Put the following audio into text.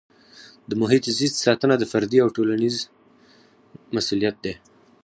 د محیط زیست ساتنه د فردي او ټولنیز مسؤلیت دی.